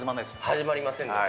始まりませんので。